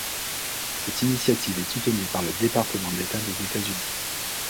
Cette initiative est soutenue par le Département d'État des États-Unis.